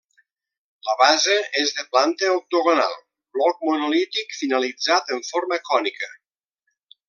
La base és de planta octogonal, bloc monolític finalitzat en forma cònica.